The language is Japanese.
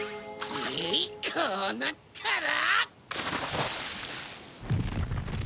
えいこうなったら！